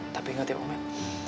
tapi ingat ya om ed